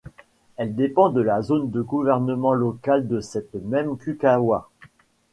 Elle dépend de la zone de gouvernement local de cette même Kukawa.